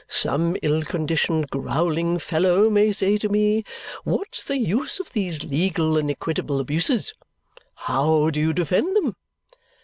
Some ill conditioned growling fellow may say to me, 'What's the use of these legal and equitable abuses? How do you defend them?'